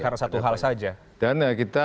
karena satu hal saja dan ya kita